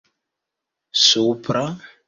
supra